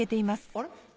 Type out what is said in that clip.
あれ？